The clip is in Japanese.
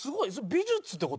美術って事？